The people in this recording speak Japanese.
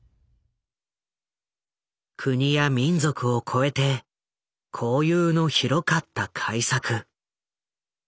国や民族を超えて交友の広かった開作。